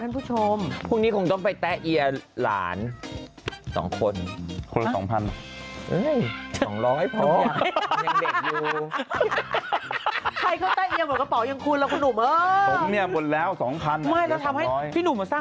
ไม่รู้เหมือนกันบอกอีกแล้วนี่วันทีปลู๊มพรุ่งนี้วันที่วันเดียวแล้วกูจะบอกว่า